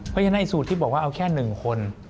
เพราะฉะนั้นสูตรที่บอกว่าเอาแค่๑คน